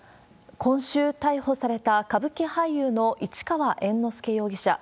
今週逮捕された、歌舞伎俳優の市川猿之助容疑者。